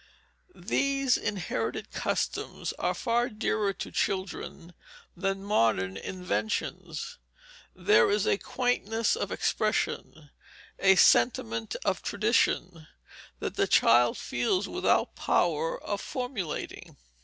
These inherited customs are far dearer to children than modern inventions. There is a quaintness of expression, a sentiment of tradition, that the child feels without power of formulating.